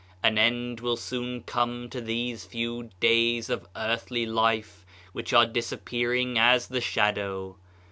An end will soon come to these few days of earthly life which are disappearing as the shadow!